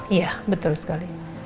iya betul sekali